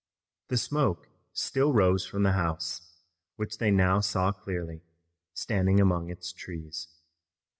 The smoke still rose from the house, which they now saw clearly, standing among its trees.